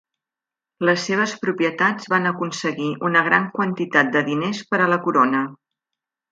Les seves propietats van aconseguir una gran quantitat de diners per a la corona.